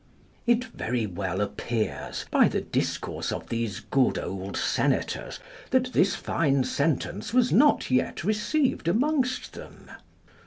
It very well appears, by the discourse of these good old senators, that this fine sentence was not yet received amongst them.